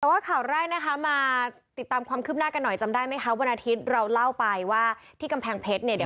แต่ว่าข่าวแรกนะคะมาติดตามความคืบหน้ากันหน่อยจำได้ไหมคะวันอาทิตย์เราเล่าไปว่าที่กำแพงเพชรเนี่ยเดี๋ยว